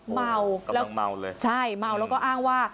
เมาแล้วก็อ้างว่า